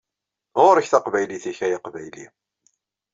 Ɣur-k taqbaylit-ik ay aqbayli!